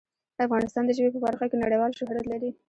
افغانستان د ژبې په برخه کې نړیوال شهرت لري.